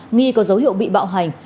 nghi có dấu hiệu bị bạo hành